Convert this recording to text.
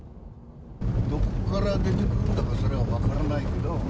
どこから出てくるかが、それは分からないけど。